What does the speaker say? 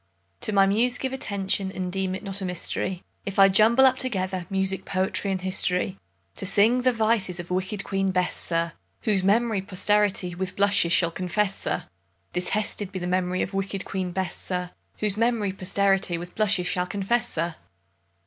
To my Muse give attention, and deem it not a mystery If I jumble up together music, poetry, and history, To sing of the vices of wicked Queen Bess, sir, Whose memory posterity with blushes shall confess, sir, Detested be the memory of wicked Queen Bess, sir, Whose memory posterity with blushes shall confess, sir.